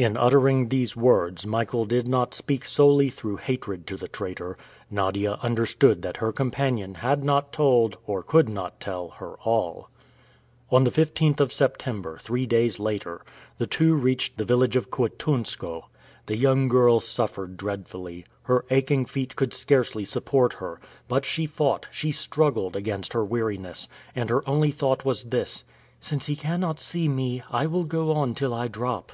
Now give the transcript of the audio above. In uttering these words, Michael did not speak solely through hatred to the traitor. Nadia understood that her companion had not told, or could not tell, her all. On the 15th of September, three days later, the two reached the village of Kouitounskoe. The young girl suffered dreadfully. Her aching feet could scarcely support her; but she fought, she struggled, against her weariness, and her only thought was this: "Since he cannot see me, I will go on till I drop."